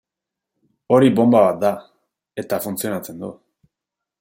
Hori bonba bat da, eta funtzionatzen du.